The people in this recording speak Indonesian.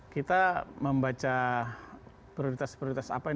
kita membaca prioritas prioritas apa